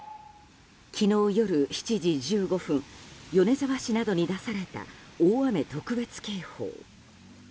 昨日夜７時１５分米沢市などに出された大雨特別警報。